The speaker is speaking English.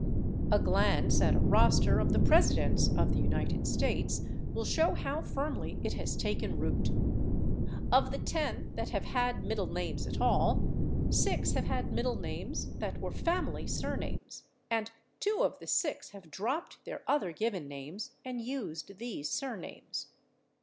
A glance at a roster of the Presidents of the United States will show how firmly it has taken root. Of the ten that have had middle names at all, six have had middle names that were family surnames, and two of the six have dropped their other given names and used these surnames.